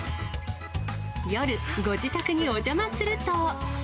夜、ご自宅にお邪魔すると。